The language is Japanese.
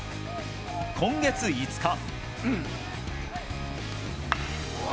今月５日。